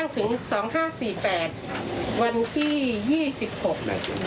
แม่ชีค่ะ